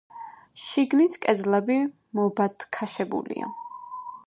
შიგნით კედლები მობათქაშებულია.